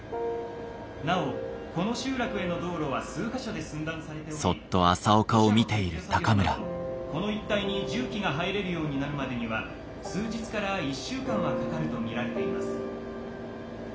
なおこの集落への道路は数か所で寸断されており土砂の撤去作業などこの一帯に重機が入れるようになるまでには数日から１週間はかかると見られています」。